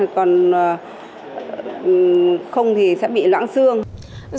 còn không thì sẽ bị loãng xương